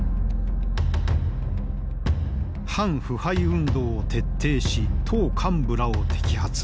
反腐敗運動を徹底し党幹部らを摘発。